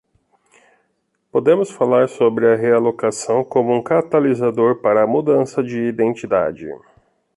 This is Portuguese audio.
Podemos falar sobre a realocação como um catalisador para a mudança de identidade.